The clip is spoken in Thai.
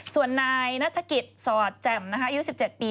ส่วนนายนัฐกิจสอดแจ่มอายุ๑๗ปี